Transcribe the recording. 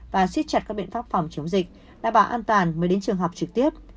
và xiết chặt các biện pháp phòng chống dịch đảm bảo an toàn mới đến trường học trực tiếp